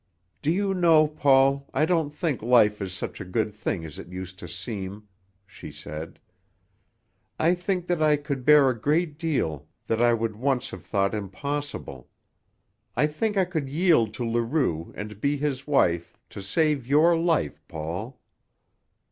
"Do you know, Paul, I don't think life is such a good thing as it used to seem," she said. "I think that I could bear a great deal that I would once have thought impossible. I think I could yield to Leroux and be his wife to save your life, Paul."